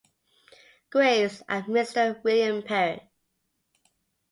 Graves and Mr. William Perry.